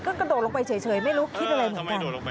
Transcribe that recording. ก็กระโดดลงไปเฉยไม่รู้คิดอะไรเหมือนกัน